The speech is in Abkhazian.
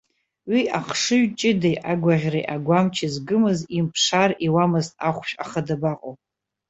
Уи ахшыҩ ҷыдеи, агәаӷьреи, агәамчи згымыз, имԥшаар иуамызт ахәшә, аха дабаҟоу!